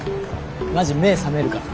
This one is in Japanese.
マジ目覚めるから。